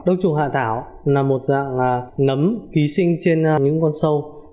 đông trùng hạ thảo là một dạng nấm ký sinh trên những con sâu